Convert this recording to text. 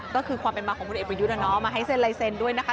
ก็คือความเป็นมาของพลเอ็ดประยุทธนะเนาะมาให้เส้นลัยเซ็นด้วยนะคะ